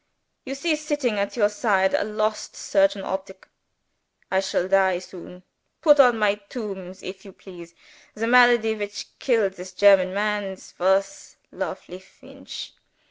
"You see sitting at your side a lost surgeon optic. I shall die soon. Put on my tombs, if you please, The malady which killed this German mans was Lofely Feench.